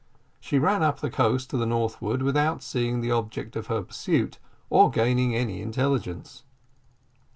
She ran up the coast to the northward without seeing the object of her pursuit, or obtaining any intelligence.